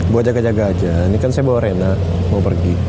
buat jaga jaga aja ini kan saya bawa rena mau pergi